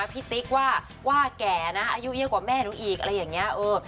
ติ๊กว่าว่าแก่นะอายุเยอะกว่าแม่หนูอีกอะไรอย่างนี้